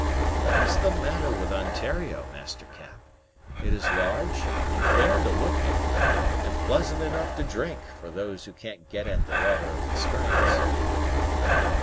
"What is the matter with Ontario, Master Cap? It is large, and fair to look at, and pleasant enough to drink, for those who can't get at the water of the springs."